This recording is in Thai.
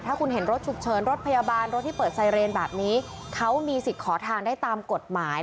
ถ้าคุณเห็นรถฉุกเฉินรถพยาบาลรถที่เปิดไซเรนแบบนี้เขามีสิทธิ์ขอทางได้ตามกฎหมาย